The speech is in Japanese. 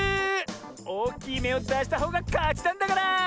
おおきいめをだしたほうがかちなんだから。